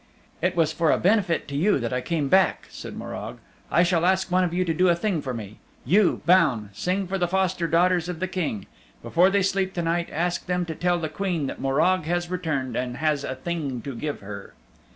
"It was for a benefit to you that I came back," said Morag. "I shall ask one of you to do a thing for me. You, Baun, sing for the foster daughters of the King. Before they sleep to night ask them to tell the Queen that Morag has returned, and has a thing to give her."